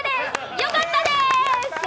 よかったでーす！